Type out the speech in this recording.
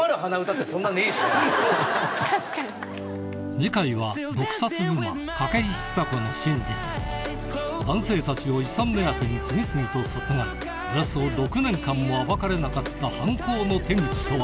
次回は毒殺妻筧千佐子の真実男性たちを遺産目当てに次々と殺害およそ６年間も暴かれなかった犯行の手口とは？